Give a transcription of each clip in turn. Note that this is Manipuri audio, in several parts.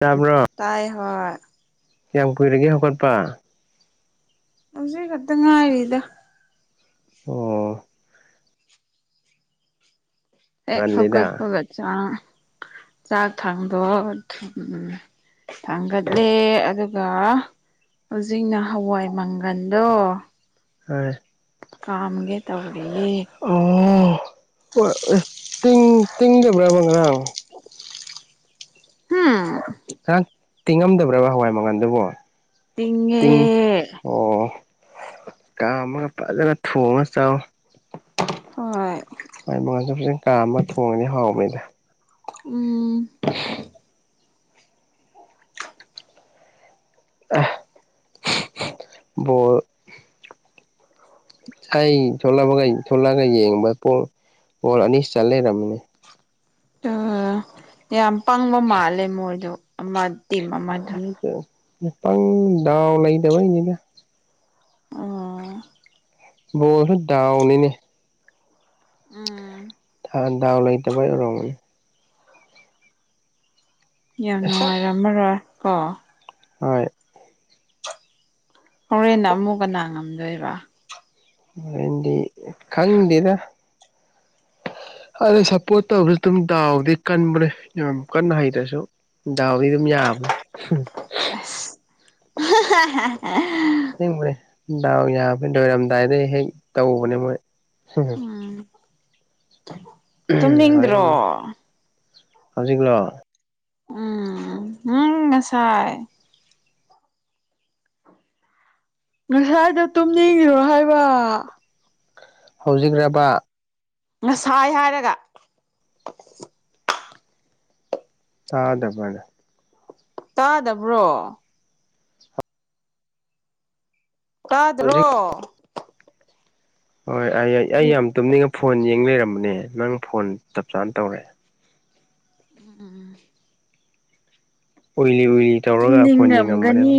ꯇꯥꯕ꯭ꯔꯣ ꯇꯥꯏ ꯍꯣꯏ ꯀꯌꯥꯝ ꯀꯨꯏꯔꯒꯦ ꯍꯧꯒꯠꯄ ꯍꯧꯖꯤꯛ ꯈꯛꯇ ꯉꯥꯏꯔꯤꯗ ꯑꯣ ꯍꯦꯛ ꯉꯜꯂꯤꯗ ꯍꯧꯒꯠꯄꯒ ꯆꯥꯡ ꯆꯥꯛ ꯊꯥꯡꯗꯣꯛꯑ ꯊꯝꯃꯦ ꯊꯥꯡꯒꯠꯂꯦ ꯑꯗꯨꯒ ꯍꯧꯖꯤꯛꯅ ꯍꯋꯥꯏ ꯃꯪꯒꯟꯗꯣ ꯍꯣꯏ ꯀꯥꯝꯒꯦ ꯇꯧꯔꯤꯌꯦ ꯑꯣ ꯍꯣꯏ ꯑ ꯇꯤꯡ ꯇꯤꯡꯗꯕ꯭ꯔꯕ ꯉꯔꯥꯡ ꯍꯨꯝ ꯉꯔꯥꯡ ꯇꯤꯡꯉꯝꯗꯕ꯭ꯔꯕ ꯍꯋꯥꯏ ꯃꯪꯒꯜꯗꯨꯕꯣ ꯇꯤꯡꯉꯦ ꯑꯣ ꯀꯥꯝꯃꯒ ꯐꯖꯒ ꯊꯣꯡꯉ ꯆꯥꯎ ꯍꯣꯏ [unintelligible] [inaudible] ꯃꯥꯏ ꯃꯉꯜꯁꯨ ꯐꯖꯟ ꯀꯥꯝꯕ ꯊꯣꯡꯉꯅꯤ ꯍꯥꯎꯕꯉꯗ ꯎꯝ ꯑ [unintelligible] [inaudible] ꯣ [unintelligible] [inaudible] ꯀꯩ ꯊꯂꯛꯑꯒ ꯌꯦꯡꯕ ꯄꯣ ꯄꯣꯜ ꯑꯅꯤ ꯆꯜ ꯂꯩꯔꯝꯃꯤꯅꯦ ꯌꯥꯝ ꯄꯪꯕ ꯃꯥꯜꯂꯦ ꯃꯣꯏꯗ ꯑꯃ ꯇꯤꯝ ꯑꯃꯗꯣ ꯄꯪ ꯗꯥꯎ ꯂꯩꯏꯇꯕꯥꯏ ꯅꯤꯗ ꯑꯣ [unintelligible] [inaudible] ꯕꯣꯜꯗꯣ ꯗꯣꯎꯅꯤꯅꯦ ꯎꯝ ꯗꯥꯎ ꯂꯩꯥꯏꯇꯕꯩ ꯑꯣꯏꯔꯝ [inaudible] ꯌꯥꯝ ꯑꯁ ꯅꯨꯡꯉꯥꯏꯔꯝꯃꯔꯣꯏ ꯀꯣ ꯍꯣꯏ ꯍꯣꯔꯦꯟ ꯑꯃꯨꯛ ꯀꯅꯥ ꯉꯝꯗꯣꯏꯕ ꯍꯣꯔꯦꯜꯗꯤ ꯈꯪꯗꯦꯗ ꯑꯗ ꯁꯞꯄꯣꯔꯠ ꯇꯧꯕꯁꯨ ꯑꯗꯨꯝ ꯗꯥꯎꯗꯤ ꯀꯟꯕ꯭ꯔꯥ ꯌꯥꯝ ꯀꯟꯅ ꯍꯩꯇ꯭ꯔꯁꯨ ꯗꯥꯎꯗꯤ ꯑꯗꯨꯝ ꯌꯥꯕꯅꯦ [unintelligible] [inaudible] ꯕꯅꯦ ꯗꯥꯎ ꯌꯥꯕ ꯂꯣꯏꯔꯝꯗꯥꯏꯗ ꯍꯦꯛ ꯇꯧꯕꯅꯦ ꯃꯣꯏ ꯎꯝ [unintelligible] [inaudible] ꯍꯦꯟ ꯇꯨꯝꯅꯤꯡꯗ꯭ꯔꯣ ꯍꯧꯖꯤꯛꯂꯣ ꯎꯝ ꯎꯝ ꯉꯁꯥꯏ ꯉꯁꯥꯏꯗꯣ ꯇꯨꯝꯅꯤꯡꯉꯔꯣ ꯍꯥꯏꯕ ꯍꯧꯖꯤꯛꯔꯕ ꯉꯁꯥꯏ ꯍꯥꯏꯔꯒ ꯇꯗꯕꯅꯦ ꯇꯥꯗꯕ꯭ꯔꯣ ꯇꯗ꯭ꯔꯣ ꯍꯧꯖꯤꯛ ꯍꯣꯏ ꯑꯩ ꯑꯩ ꯌꯥꯝ ꯇꯨꯝꯅꯤꯡꯉ ꯐꯣꯟ ꯌꯦꯡ ꯂꯩꯔꯝꯕꯅꯦ ꯅꯪ ꯐꯣꯟ ꯆꯞ ꯆꯥꯅ ꯇꯧꯔꯦ ꯎꯝ ꯎꯝ [unintelligible] [inaudible] ꯑꯣꯏꯔꯤ ꯑꯣꯏꯔꯤ ꯇꯨꯝꯅꯤꯡꯉꯝꯒꯅꯤ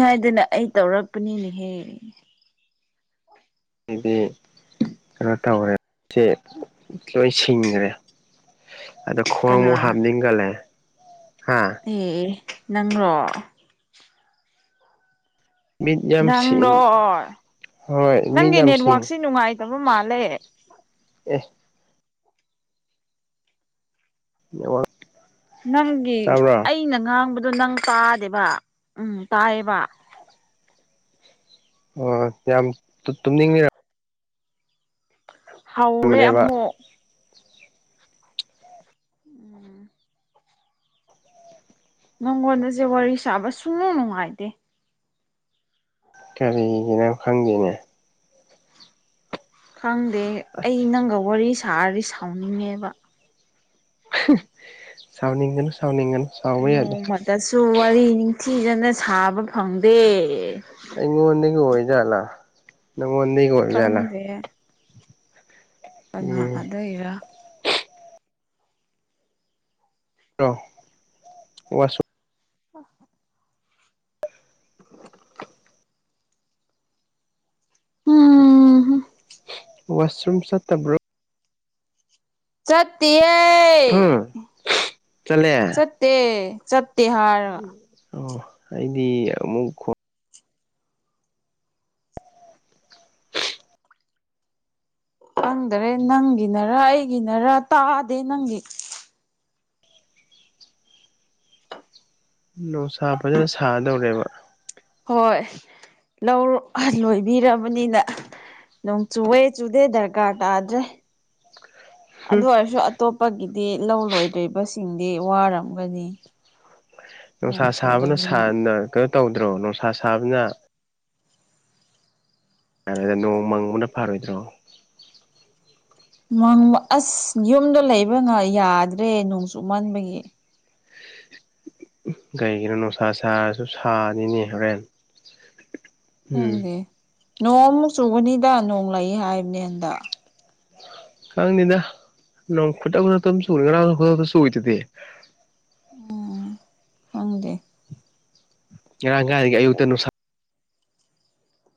ꯍꯥꯏꯗꯅ ꯑꯩ ꯇꯧꯔꯛꯄꯅꯤꯍꯦ ꯑꯗꯤ ꯀꯩꯅꯣ ꯇꯧꯔꯦ ꯁꯦ ꯂꯣꯏ ꯁꯤꯡꯒ꯭ꯔꯦ ꯑꯗ ꯈꯣꯡꯃꯨ ꯀꯅꯥ ꯍꯥꯝꯅꯤꯡꯒꯂꯦ ꯍꯥ ꯑꯦ ꯅꯪꯔꯣ ꯃꯤꯠ ꯌꯥꯝ ꯁꯤ ꯅꯪꯔꯣ ꯍꯣꯏ ꯃꯤ ꯅꯪꯒꯤ ꯌꯥꯝ ꯁꯤꯡ ꯅꯦꯠꯋꯥꯛꯁꯤ ꯅꯨꯡꯉꯥꯏꯇꯕ ꯃꯥꯜꯂꯦ ꯑꯦ ꯅꯦꯋꯥꯛ ꯅꯪꯒꯤ ꯑꯩꯅ ꯉꯥꯡꯕꯗꯣ ꯅꯪ ꯇꯥꯗꯦꯕ ꯎꯝ ꯇꯥꯏꯌꯦꯕ ꯍꯣꯏ ꯍꯣꯏ ꯌꯥꯝ ꯇꯨꯝꯅꯤꯡꯉꯤꯔ ꯍꯧꯎꯔꯦ ꯑꯃꯨꯛ ꯎꯝ ꯅꯪꯉꯣꯟꯜꯗꯁꯦ ꯋꯥꯔꯤ ꯁꯥꯕ ꯁꯨꯡ ꯅꯨꯡ ꯅꯨꯉꯥꯏꯇꯦ ꯀꯔꯤꯒꯤꯅ ꯈꯪꯗꯦꯅꯦ ꯈꯪꯗꯦ ꯑꯩ ꯅꯪꯒ ꯋꯥꯔꯤ ꯁꯥꯔꯗꯤ ꯁꯥꯎꯅꯤꯡꯉꯦꯕ ꯁꯥꯎꯅꯤꯡꯒꯅꯨ ꯁꯥꯎꯅꯤꯡꯒꯅꯨ ꯁꯥꯎꯕ ꯌꯥꯗꯦ ꯅꯣꯡꯃꯗꯁꯨ ꯋꯥꯔꯤ ꯅꯤꯡꯊꯤꯖꯅ ꯁꯥꯕ ꯐꯪꯗꯦ ꯑꯩꯉꯣꯟꯗꯒꯤ ꯑꯣꯔꯤꯖꯥꯠꯂ ꯅꯪꯉꯣꯗꯒꯤ ꯑꯣꯏꯔꯖꯥꯠꯂ ꯈꯪꯗꯦ ꯀꯅꯥ ꯎꯝ ꯑꯗꯩꯔꯥ ꯑꯧ ꯋꯥꯁꯨ ꯑ [inaudible] ꯍꯨꯝ ꯍꯨꯝ ꯋꯥꯁꯔꯨꯝ ꯆꯠꯇꯕ꯭ꯔꯣ ꯆꯠꯇꯤꯌꯦ ꯍꯨꯝ ꯆꯠꯂꯦ ꯆꯠꯇꯦ ꯆꯠ ꯑꯣ ꯑꯩꯗꯤ ꯑꯃꯨꯛ ꯈꯣ ꯈꯪꯗꯔꯦ ꯅꯪꯒꯤꯅꯔ ꯑꯩꯒꯤꯅꯔ ꯇꯥꯗꯦ ꯅꯪꯒꯤ ꯅꯣꯁꯥ ꯐꯖꯅ ꯁꯥꯗꯧꯔꯦꯕ ꯍꯣꯏ ꯂꯧ ꯂꯣꯏꯕꯤꯔꯕꯅꯤꯅ ꯅꯣꯡ ꯆꯨꯋꯦ ꯆꯨꯗꯦ ꯗꯔꯀꯥꯔ ꯇꯥꯗ꯭ꯔꯦ ꯍꯨꯝ ꯑꯗꯨ ꯑꯣꯏꯔꯁꯨ ꯑ ꯇꯣꯞꯄꯒꯤꯗꯤ ꯂꯧ ꯂꯣꯏꯗ꯭ꯔꯤꯕꯁꯤꯡꯗꯤ ꯋꯥꯔꯝꯒꯅꯤ ꯅꯣꯡ ꯅꯨꯡꯁꯥ ꯁꯥꯕꯅ ꯆꯨꯗꯕꯅꯤꯅ ꯁꯥꯟꯅ ꯀꯩꯅꯣ ꯇꯧꯗ꯭ꯔꯣ ꯅꯨꯡꯁꯥ ꯁꯥꯕꯅ ꯑꯗ ꯅꯣꯡ ꯃꯪꯕꯅ ꯐꯔꯣꯏꯗ꯭ꯔꯣ ꯃꯪꯕ ꯑꯁ ꯌꯨꯝꯗꯣ ꯂꯩꯕ ꯉꯥ ꯌꯥꯗ꯭ꯔꯦ ꯅꯣꯡ ꯆꯨꯃꯟꯕꯒꯤ ꯎ ꯀꯩꯒꯤꯅꯣ ꯅꯨꯡꯁꯥ ꯁꯥꯔꯁꯨ ꯁꯥꯅꯤꯅꯦ ꯍꯣꯔꯦꯟ ꯎꯝ ꯈꯪꯗꯦ ꯅꯣꯡꯃꯨꯛ ꯆꯨꯒꯅꯤꯗ ꯅꯣꯡ ꯂꯩꯑꯦ ꯍꯥꯏꯕꯅꯦ ꯍꯟꯗꯛ [inaudible] ꯈꯪꯗꯦꯗ ꯅꯣꯡ ꯈꯨꯗꯛ ꯈꯨꯗꯛꯇ ꯑꯗꯨꯝ ꯆꯨꯔꯒ ꯂꯥꯛꯑꯒ ꯈꯨꯗꯛꯇ ꯆꯨꯏꯗꯗꯤ ꯎꯝ ꯈꯪꯗꯦ ꯉꯔꯥꯡ ꯒꯥꯥꯏꯗꯤ ꯑꯌꯨꯛꯇ ꯅꯨꯡꯁꯥ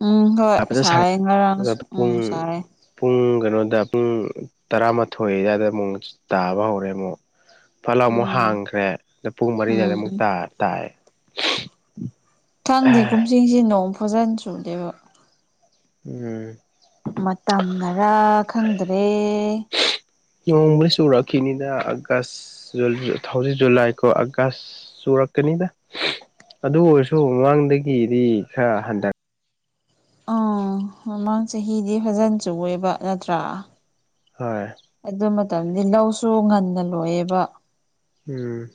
ꯎꯝ ꯍꯣꯏ ꯐꯖꯅ ꯁꯥꯌꯦ ꯉꯔꯥꯡ ꯁꯥꯔ ꯎꯝ ꯄꯨꯡ ꯁꯥꯏꯌꯦ ꯄꯨꯡ ꯀꯩꯅꯣꯗ ꯄꯨꯡ ꯇꯔꯥꯃꯥꯊꯣꯏ ꯑꯗꯨꯋꯥꯏꯗ ꯑꯃꯨꯛ ꯇꯥꯕ ꯍꯧꯔꯦ ꯑꯃꯨꯛ ꯐꯠꯂꯥꯎ ꯑꯃꯨꯛ ꯎꯝ ꯍꯥꯡꯈ꯭ꯔꯦ ꯑꯗꯣ ꯄꯨꯡ ꯃꯔꯤ ꯑꯗꯨꯋꯥꯏꯗ ꯎꯝ ꯑꯃꯨꯛ ꯇꯥ ꯇꯥꯏ ꯈꯪꯗꯦ ꯀꯨꯝꯁꯤꯡꯁꯤ ꯅꯣꯡ ꯐꯖꯟ ꯆꯨꯗꯦꯕ ꯎꯝ ꯃꯇꯝꯅꯔꯥ ꯈꯪꯗ꯭ꯔꯦ ꯅꯣꯡꯕꯨꯗꯤ ꯆꯨꯔꯛꯈꯤꯅꯤꯗ ꯑꯥꯒꯁ ꯖꯨꯖꯨ ꯊꯧꯖꯤ ꯖꯨꯂꯥꯏ ꯀꯣ ꯑꯥꯒꯁ ꯆꯨꯔꯛꯀꯅꯤꯗ ꯑꯗꯨ ꯑꯣꯏꯔꯁꯨ ꯃꯃꯥꯡꯗꯒꯤꯗꯤ ꯈꯔ ꯍꯟꯗ ꯑꯥ ꯃꯃꯥꯡ ꯆꯍꯤꯗꯤ ꯐꯖꯟ ꯆꯨꯑꯦꯕ ꯅꯠꯇ꯭ꯔꯥ ꯍꯣꯏ ꯑꯗꯨ ꯃꯇꯝꯗꯤ ꯂꯧꯁꯨ ꯉꯟꯅ ꯂꯣꯏꯑꯦꯕ ꯎꯝ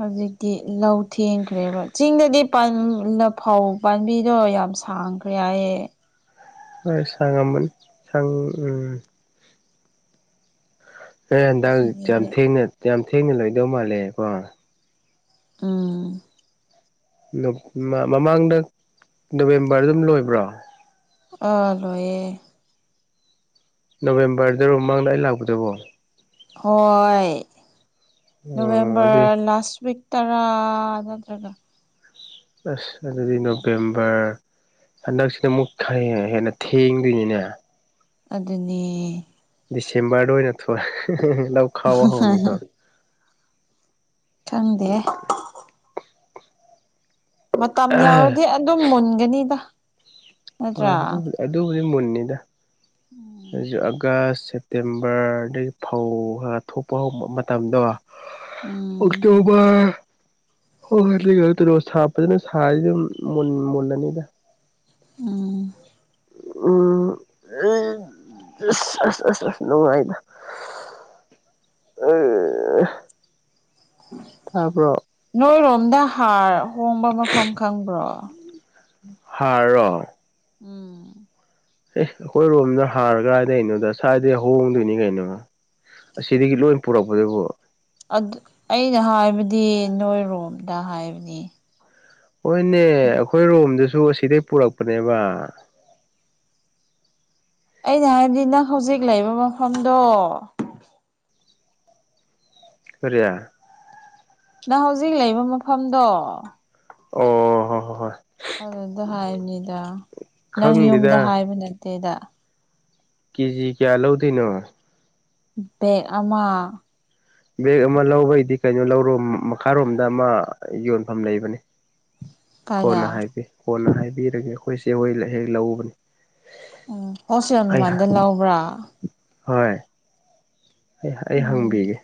ꯍꯧꯖꯤꯛꯇꯤ ꯂꯧ ꯊꯦꯡꯈ꯭ꯔꯦꯕ ꯆꯤꯡꯗꯗꯤ ꯄꯟꯅ ꯐꯧ ꯄꯥꯝꯕꯤꯗꯣ ꯌꯥꯝ ꯁꯥꯡꯈ꯭ꯔꯦ ꯍꯥꯏꯌꯦ ꯍꯣꯏ ꯁꯥꯉꯝꯃꯅꯤ ꯁꯪ ꯎꯝ ꯑꯦ ꯍꯟꯗꯥꯛ ꯌꯥꯝ ꯑꯁꯤꯗꯗꯤ ꯊꯦꯡꯅ ꯌꯥꯝ ꯊꯦꯡꯅ ꯂꯣꯏꯗꯧ ꯃꯥꯜꯂꯦꯀꯣ ꯎꯝ ꯅꯞ ꯃ ꯃꯃꯥꯡꯗ ꯅꯕꯦꯝꯕꯔ ꯑꯗꯨꯝ ꯂꯣꯏꯕ꯭ꯔꯣ ꯑ ꯂꯣꯏꯌꯦ ꯅꯕꯦꯝꯕꯔꯗꯔꯣ ꯃꯃꯥꯡꯗ ꯑꯩ ꯂꯥꯛꯄꯗꯕꯣ ꯍꯣꯏ ꯑꯣ ꯑꯗꯨꯏ ꯅꯚꯦꯝꯕꯔ ꯂꯥꯁ ꯋꯤꯛ ꯇꯔꯥ ꯅꯠꯇ꯭ꯔꯒ ꯑꯁ ꯑꯗꯨꯗꯤ ꯅꯕꯦꯝꯕꯔ ꯍꯟꯗꯛꯁꯤꯅ ꯑꯃꯨꯛ ꯈꯔ ꯍꯦꯟꯅ ꯊꯦꯡꯗꯣꯏꯅꯤꯅꯦ ꯑꯗꯨꯅꯦ ꯗꯤꯁꯦꯝꯕꯔꯗ ꯑꯣꯏꯅ ꯊ [unintelligible] ꯂꯧ ꯈꯥꯎꯕ ꯍꯧꯅꯤꯀꯣ ꯈꯪꯗꯦ ꯃꯇꯝ ꯌꯔꯗꯤ ꯍꯣꯏ ꯑꯗꯨꯝ ꯃꯨꯟꯒꯅꯤꯗ ꯍꯣꯏ ꯅꯠꯇ꯭ꯔꯥ ꯑꯗꯨꯕꯨ ꯑꯗꯨꯕꯨꯗꯤ ꯃꯨꯟꯅꯤꯗ ꯎꯝ ꯍꯧꯖꯤꯛ ꯑꯥꯒꯁ ꯁꯦꯞ ꯇꯦꯝꯕꯔꯗꯒꯤ ꯐꯧ ꯈꯔ ꯊꯣꯛꯄ ꯍꯧꯕ ꯃꯇꯝꯗꯣ ꯎꯝ ꯑꯣꯛꯇꯣꯕꯔ ꯍꯣꯏ ꯁꯥ ꯐꯖꯅ ꯁꯥꯔꯤ ꯑꯗꯨꯝ ꯃꯨꯜꯂꯅꯤꯗ ꯎꯝ ꯎꯝ ꯑꯁ ꯑꯁ ꯑꯁ ꯅꯨꯡꯉꯥꯏꯅ ꯑ ꯅꯣꯏꯔꯣꯝꯗ ꯍꯥꯔ ꯍꯣꯡꯕ ꯃꯐꯝ ꯈꯪꯕ꯭ꯔꯣ ꯍꯔ ꯔꯣ ꯎꯝ ꯑꯦ ꯑꯩꯈꯣꯏꯔꯣꯝꯗ ꯍꯥꯔ ꯀꯗꯥꯗ ꯀꯩꯅꯣꯗ ꯁ꯭ꯋꯥꯏꯗꯩ ꯍꯣꯡꯗꯣꯏꯅꯤ ꯀꯩꯅꯣ ꯑꯁꯤꯗꯒꯤ ꯂꯣꯏ ꯄꯨꯔꯛꯄꯗꯨꯕꯣ ꯑꯗꯨ ꯑꯩꯅ ꯍꯥꯏꯕꯗꯤ ꯅꯣꯏꯔꯣꯝꯗ ꯍꯥꯏꯕꯅꯤ ꯍꯣꯏꯅꯦ ꯑꯩꯈꯣꯏ ꯔꯣꯝꯗꯁꯨ ꯑꯁꯤꯗꯩ ꯄꯨꯔꯛꯄꯅꯦꯕ ꯑꯩꯅ ꯍꯥꯏꯕꯗꯤ ꯅꯪ ꯍꯧꯖꯤꯛ ꯂꯩꯔꯤꯕ ꯃꯐꯝꯗꯣ ꯀꯔꯤ ꯅꯪ ꯍꯧꯖꯤꯛ ꯂꯩꯕ ꯃꯐꯝꯗꯣ ꯑꯣ ꯍꯣ ꯍ ꯍꯣꯏ ꯑꯗꯨꯗ ꯍꯥꯏꯔꯅꯤꯗ ꯅꯪ ꯈꯪꯗꯦꯗ ꯌꯨꯝꯗ ꯍꯥꯏꯕ ꯅꯠꯇꯦꯗ ꯀꯦꯖꯤ ꯀꯌꯥ ꯂꯧꯗꯣꯏꯅꯣ ꯕꯦꯛ ꯑꯃ ꯕꯦꯒ ꯑꯃ ꯂꯧꯕꯒꯤꯗꯤ ꯀꯩꯅꯣ ꯂꯧꯔꯣ ꯃꯈꯥꯔꯣꯝꯗ ꯑꯃ ꯌꯣꯟꯐꯝ ꯂꯩꯕꯅꯦ ꯀꯣꯟꯅ ꯀꯥꯏꯗ ꯍꯥꯏꯒꯦ ꯀꯣꯟꯅ ꯍꯥꯏꯕꯤꯔꯒꯦ ꯑꯩꯈꯣꯏꯁꯦ ꯍꯣꯏ ꯍꯦꯛ ꯂꯎꯕꯅꯤ ꯎꯝ ꯍꯣꯜ ꯃꯃꯥꯟꯗ ꯂꯧꯕ꯭ꯔꯥ ꯍꯣꯏ ꯑꯩ ꯎꯝ ꯍꯪꯕꯤꯒꯦ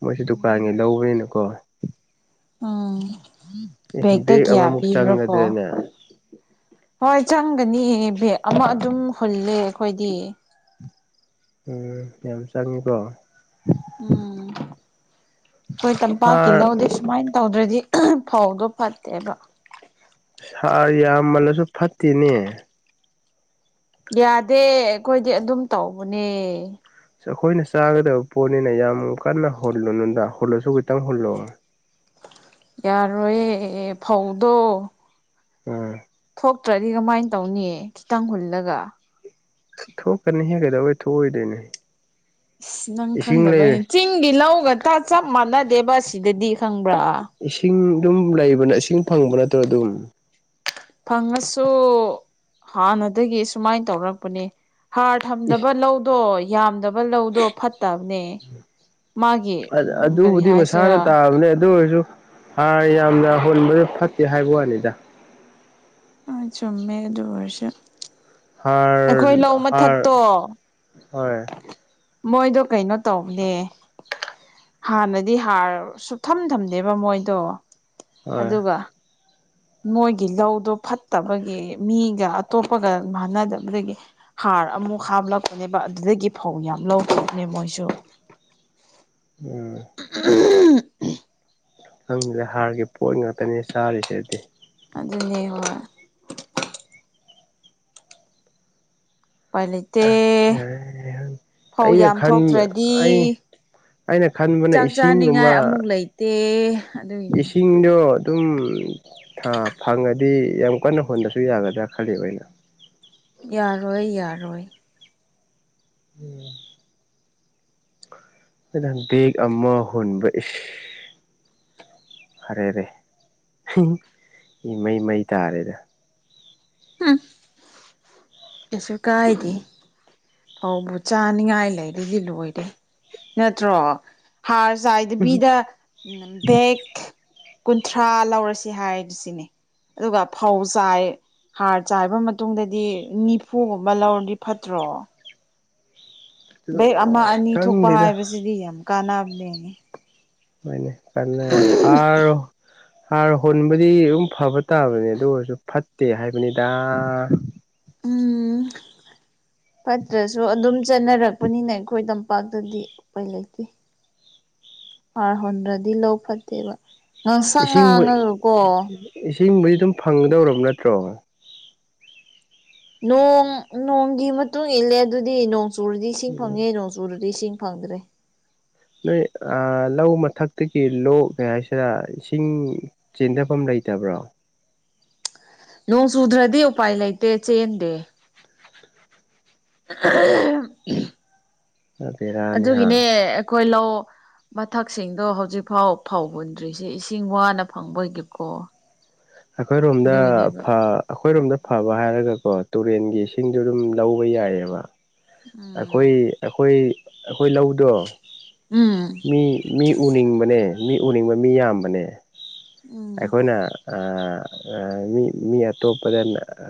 ꯃꯣꯏꯁꯨ ꯗꯨꯀꯥꯟꯒꯤ ꯂꯧꯕꯅꯤꯅꯀꯣ ꯎꯝ ꯑꯦ ꯕꯦꯛꯇ ꯕꯦꯛ ꯀꯌꯥ ꯑꯃꯃꯨꯛ ꯄꯤꯕ꯭ꯔꯥ ꯀꯣ ꯆꯪꯒꯗ꯭ꯔꯅꯦ ꯍꯣꯏ ꯆꯪꯒꯅꯤ ꯕꯦꯛ ꯑꯃ ꯑꯗꯨꯝ ꯍꯨꯜꯂꯦ ꯑꯩꯈꯣꯏꯗꯤ ꯎꯝ ꯌꯥꯝ ꯆꯪꯉꯤꯀꯣ ꯎꯝ ꯑꯩꯈꯣꯏ ꯇꯝꯄꯥꯛꯀꯤ ꯍꯥꯔ ꯂꯧꯗꯤ ꯁꯨꯃꯥꯏ ꯇꯧꯗ꯭ꯔꯗꯤ ꯐꯧꯗꯣ ꯐꯠꯇꯦꯕ ꯍꯥꯔ ꯌꯥꯝꯃꯜꯂꯁꯨ ꯐꯠꯇꯦꯅꯦ ꯌꯥꯗꯦ ꯑꯩꯈꯣꯏꯗꯤ ꯑꯗꯨꯝ ꯇꯧꯕꯅꯦ ꯑꯩꯈꯣꯏꯅ ꯆꯥꯒꯗꯕ ꯄꯣꯠꯅꯤꯅ ꯌꯥꯝ ꯀꯟꯅ ꯍꯨꯜꯂꯨꯗ ꯍꯨꯜꯂꯁꯨ ꯈꯤꯇꯪ ꯍꯨꯜꯂꯣ ꯌꯥꯔꯣꯏꯌꯦ ꯐꯧꯗꯣ ꯎꯝ ꯊꯣꯛꯇ꯭ꯔꯗꯤ ꯀꯃꯥꯏꯅ ꯇꯧꯅꯤ ꯈꯤꯇꯪ ꯍꯨꯜꯂꯒ ꯊꯣꯛꯀꯅꯤ ꯍꯦ ꯀꯩꯗꯧ ꯊꯣꯛꯑꯣꯏꯗꯣꯏꯅꯣ ꯑꯁ ꯅꯪ ꯏꯁꯤꯡ ꯂꯩꯔꯦ ꯈꯪꯗꯕꯩꯅꯤ ꯆꯤꯡꯒꯤ ꯂꯧꯒ ꯆꯞ ꯃꯥꯟꯅꯗꯦꯕ ꯁꯤꯗꯗꯤ ꯈꯪꯕ꯭ꯔꯥ ꯏꯁꯤꯡ ꯑꯗꯨꯝ ꯂꯩꯕꯅꯦ ꯏꯁꯤꯡ ꯐꯪꯕ ꯅꯠꯇ꯭ꯔꯣ ꯑꯗꯨꯝ ꯐꯪꯉꯁꯨ ꯍꯥꯟꯅꯗꯒꯤ ꯁꯨꯃꯥꯏꯅ ꯇꯧꯔꯛꯄꯅꯦ ꯍꯥꯔ ꯊꯝꯗꯕ ꯂꯧꯗꯣꯏ ꯌꯥꯝꯗꯕ ꯂꯧꯗꯣ ꯐꯠꯇꯕꯅꯦ ꯃꯥꯒꯤ ꯀꯔꯤ ꯍꯥꯏꯁꯤꯔꯥ ꯐꯅꯦ ꯑꯗꯨ ꯑꯣꯏꯁꯨ ꯍꯥꯔ ꯌꯥꯝꯅ ꯍꯣꯟꯕꯁꯦ ꯐꯠꯇꯦ ꯍꯥꯏꯕ ꯋꯥꯅꯤꯗ ꯑ ꯆꯨꯝꯃꯦ ꯑꯗꯨ ꯑꯣꯏꯔꯁꯨ ꯑꯩꯈꯣꯏ ꯂꯧ ꯍꯥꯔ ꯍꯔ ꯃꯊꯛꯇꯣ ꯍꯣꯏ ꯃꯣꯏꯗꯣ ꯀꯩꯅꯣ ꯇꯧꯈꯦ ꯍꯥꯟꯅꯗꯤ ꯍꯥꯔ ꯁꯨꯞꯊꯝ ꯊꯝꯗꯦꯕ ꯃꯣꯏꯗꯣ ꯍꯣꯏ ꯑꯗꯨꯒ ꯃꯣꯏꯒꯤ ꯂꯧꯗꯣ ꯐꯠꯇꯕꯒꯤ ꯃꯤꯒ ꯑꯇꯣꯞꯄꯒ ꯃꯥꯟꯅꯗꯕꯗꯒꯤ꯫ ꯍꯥꯔ ꯑꯃꯨꯛ ꯍꯥꯞꯂꯛꯄꯅꯦꯕ ꯑꯗꯨꯗꯒꯤ ꯐꯧ ꯌꯥꯝ ꯂꯧꯈꯤꯕꯅꯦ ꯃꯣꯏꯁꯨ꯫ ꯎꯝ꯫ [unintelligible] ꯈꯪꯗꯔꯦ ꯍꯥꯔꯒꯤ ꯄꯣꯠ ꯉꯥꯛꯇꯅꯦ ꯆꯥꯔꯤꯁꯦ ꯑꯗꯨꯗꯤ꯫ ꯑꯗꯨꯅꯦ ꯍꯣꯏ꯫ ꯎꯄꯥꯏ ꯂꯩꯇꯦ ꯌꯥꯏ ꯐꯧ ꯑꯩꯅ ꯌꯥꯝ ꯈꯟꯕ ꯊꯣꯛꯇ꯭ꯔꯗꯤ ꯑꯩ ꯑꯩꯅ ꯈꯟꯕꯅ ꯏꯁꯤꯡꯒꯨꯝꯕ꯫ ꯇꯦ ꯑꯗꯨꯒꯤꯅꯤ꯫ ꯏꯁꯤꯡꯗꯣ ꯑꯗꯨꯝ ꯊꯥ ꯐꯪꯉꯗꯤ ꯌꯥꯝ ꯀꯟꯅ ꯍꯣꯟꯗ꯭ꯔꯁꯨ ꯌꯥꯒꯗ꯭ꯔꯥ ꯈꯜꯂꯤ ꯑꯩꯅ꯫ ꯌꯥꯔꯣꯏ ꯌꯥꯔꯣꯏ꯫ ꯎꯝ ꯇꯦꯛ ꯑꯃ ꯍꯨꯟꯕ ꯏꯁ꯫ ꯐꯔꯦꯅꯦ ꯏꯃꯩ ꯃꯩ ꯇꯥꯔꯦꯅꯦ꯫ ꯍꯨꯝ꯫ ꯀꯩꯁꯨ ꯀꯥꯏꯗꯦ꯫ ꯐꯧꯕꯨ ꯆꯥꯅꯤꯡꯉꯥꯏ ꯂꯩꯗꯤ ꯂꯣꯏꯗꯦ ꯅꯠꯇ꯭ꯔꯣ꯫ ꯍꯔ ꯆꯥꯏꯗꯕꯤꯗ꯫ ꯎꯝ ꯕꯦꯒ ꯀꯨꯟꯊ꯭ꯔꯥ ꯂꯧꯔꯁꯤ ꯍꯥꯏꯔꯁꯤꯅꯦ꯫ ꯑꯗꯨꯒ ꯐꯧ ꯆꯥꯏ꯫ ꯍꯥꯔ ꯆꯥꯏꯕ ꯃꯇꯨꯡꯗꯗꯤ ꯅꯤꯐꯨꯒꯨꯝꯕ ꯂꯧꯔꯗꯤ ꯐꯠꯇ꯭ꯔꯣ꯫ ꯕꯦꯛ ꯑꯃ ꯑꯅꯤ ꯊꯣꯛꯄ ꯈꯪꯗꯦꯗ ꯍꯥꯏꯕꯁꯤꯗꯤ ꯌꯥꯝ ꯀꯥꯟꯅꯕꯅꯦ꫰꫰ ꯎꯝ ꯍꯅꯦ ꯍꯥꯔꯣ꯫ ꯍꯥꯔ ꯍꯣꯟꯕꯗꯤ ꯑꯗꯨꯝ ꯐꯕ ꯇꯥꯕꯅꯦ ꯑꯗꯨ ꯑꯣꯏꯔꯁꯨ ꯐꯠꯇꯦ ꯍꯥꯏꯕꯅꯤꯗ꯫ ꯎꯝ ꯐꯠꯇ꯭ꯔꯁꯨ ꯑꯗꯨꯝ ꯆꯠꯅꯔꯛꯄꯅꯤꯅ ꯑꯩꯈꯣꯏꯗ ꯄꯥꯛꯇꯗꯤ ꯎꯄꯥꯏ ꯂꯩꯇꯦ ꯍꯥꯔ ꯍꯣꯟꯗ꯭ꯔꯗꯤ ꯂꯧ ꯐꯠꯇꯦꯕ꯫ ꯉꯥꯡꯁꯛ ꯏꯁꯤꯡꯕꯨ ꯉꯥꯡꯉꯥꯒꯀꯣ꯫ ꯏꯁꯤꯡꯕꯨꯗꯤ ꯑꯗꯨꯝ ꯐꯪꯒꯗꯧꯔꯕ ꯅꯠꯇ꯭ꯔꯣ꯫ ꯅꯣꯡ ꯅꯣꯡꯒꯤ ꯃꯇꯨꯡ ꯏꯜꯂꯦ ꯑꯗꯨꯗꯤ ꯅꯣꯡ ꯆꯨꯔꯗꯤ ꯏꯁꯤꯡ ꯐꯪꯉꯦ ꯅꯣꯡꯆꯨꯔꯗꯤ ꯏꯁꯤꯡ ꯐꯪꯗ꯭ꯔꯦ꯫ ꯅꯣꯏ ꯑꯥ ꯂꯧ ꯃꯊꯛꯇꯒꯤ ꯂꯣꯛ ꯀꯩ ꯍꯥꯏꯁꯤꯔ ꯏꯁꯤꯡ ꯆꯦꯟꯗꯐꯝ ꯂꯩꯇꯕ꯭ꯔꯣ꯫ ꯅꯣꯡ ꯆꯨꯗ꯭ꯔꯗꯤ ꯎꯄꯥꯏ ꯂꯩꯇꯦ ꯆꯦꯟꯗꯦ꯫ [unintelligible] ꯅꯠꯇꯦꯗ꯫ ꯑꯗꯨꯒꯤꯅꯦ ꯑꯩꯈꯣꯏ ꯂꯧ ꯃꯊꯛꯁꯤꯡꯗꯣ ꯍꯧꯖꯤꯛꯐꯥꯎ ꯐꯧ ꯍꯨꯟꯗ꯭ꯔꯤꯁꯦ ꯏꯁꯤꯡ ꯋꯥꯅ ꯐꯪꯕꯒꯤꯀꯣ꯫ ꯑꯩꯈꯣꯏꯔꯣꯝꯗ ꯑꯗꯨꯒꯤꯅꯦꯕ ꯐ ꯑꯩꯈꯣꯏꯔꯣꯝꯗ ꯐꯕ ꯍꯥꯏꯔꯒꯀꯣ ꯇꯨꯔꯦꯟꯒꯤ ꯏꯁꯤꯡꯗꯨ ꯑꯗꯨꯝ ꯂꯧꯕ ꯌꯥꯏꯌꯦꯕ꯫ ꯑꯩꯈꯣꯏ ꯎꯝ ꯑꯩꯈꯣꯏ ꯑꯩꯈꯣꯏ ꯂꯧꯗꯣ꯫ ꯎꯝ꯫ ꯃꯤ ꯃꯤ ꯎꯅꯤꯡꯕꯅꯦ ꯃꯤ ꯎꯅꯤꯡꯕ ꯃꯤ ꯌꯥꯝꯕꯅꯦ ꯎꯝ ꯑꯩꯈꯣꯏꯅ ꯑꯥ ꯃꯤ ꯃꯤ ꯑꯇꯣꯞꯄꯗ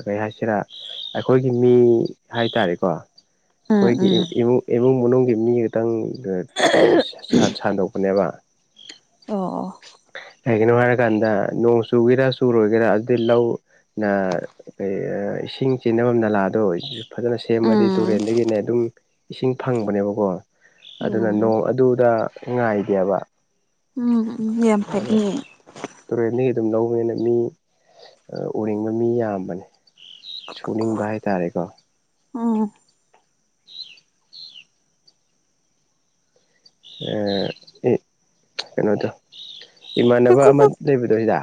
ꯀꯩ ꯍꯥꯏꯁꯤꯔꯥ ꯑꯩꯈꯣꯏꯒꯤ ꯃꯤ ꯍꯥꯏꯇꯥꯔꯦꯀꯣ꯫ ꯎꯝ ꯑꯩꯈꯣꯏꯒꯤ ꯎꯝ ꯏꯃꯨꯡ ꯏꯃꯨꯡ ꯃꯅꯨꯡꯒꯤ ꯃꯤ ꯈꯥꯇꯪ ꯁꯟꯗꯣꯛꯄꯅꯦꯕ꯫ ꯑꯣ ꯑꯣ꯫ ꯀꯩꯒꯤꯅꯣ ꯍꯥꯏꯔꯀꯥꯟꯗ ꯅꯣꯡ ꯆꯨꯒꯦꯔꯥ ꯁꯨꯔꯣꯏꯒꯦꯔꯥ ꯑꯗꯨꯗꯤ ꯂꯧ ꯅ ꯀꯔꯤ ꯏꯁꯤꯡ ꯆꯦꯟꯅꯐꯝ ꯅꯂꯥꯗꯣ꯫ ꯐꯖꯅ ꯁꯦꯝꯃꯗꯤ ꯎꯝ ꯇꯨꯔꯦꯟꯗꯒꯤꯅꯦ ꯑꯗꯨꯝ ꯏꯁꯤꯡ ꯐꯪꯕꯅꯦꯕꯀꯣ꯫ ꯑꯗꯨꯅ ꯎꯝ ꯅꯣꯡ ꯑꯗꯨꯗ ꯉꯥꯏꯗꯦꯕ ꯎꯝ ꯌꯥꯝ ꯐꯩꯅꯦ ꯇꯨꯔꯦꯟꯗꯒꯤ ꯑꯗꯨꯝ ꯂꯧꯕꯅꯤꯅ ꯃꯤ ꯑ ꯎꯍꯤꯡꯕ ꯃꯤ ꯌꯥꯝꯕꯅꯤ ꯁꯨꯅꯤꯡꯕ ꯍꯥꯏꯇꯥꯔꯦꯀꯣ ꯎꯝ [unintelligible] ꯀꯩꯅꯣꯗꯣ ꯏꯃꯥꯟꯅꯕ ꯑꯃ ꯀꯨꯀꯨꯀꯨ ꯂꯩꯕꯗꯣ ꯖꯤꯗ